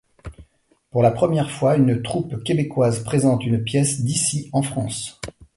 Pour la première fois, une troupe québécoise présente une pièce d'ici en France.